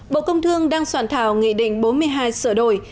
bộ công thương đang soạn thảo nghị định bốn mươi hai sửa đổi